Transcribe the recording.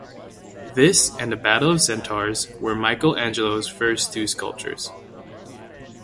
This and the "Battle of the Centaurs" were Michelangelo's first two sculptures.